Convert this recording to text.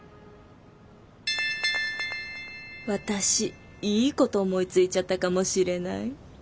私いいこと思いついちゃったかもしれない。